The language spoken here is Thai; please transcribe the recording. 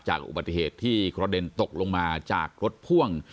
อุบัติเหตุที่กระเด็นตกลงมาจากรถพ่วง